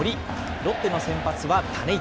ロッテの先発は種市。